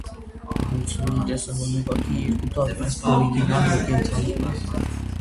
Գոյություն ունի տեսահոլովակի երկու տարբերակ՝ օրիգինալ և «կենդանի»։